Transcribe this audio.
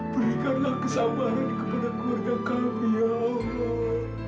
berikanlah kesabaran kepada keluarga kami ya allah